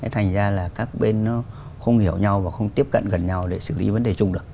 thành ra là các bên nó không hiểu nhau và không tiếp cận gần nhau để xử lý vấn đề chung được